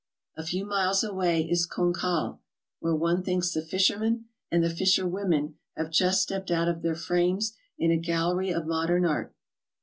A few miles away is Cancale, where one thinks the fishermen and the fisherwomen have just stepped out of their frames in a gallery of modern art.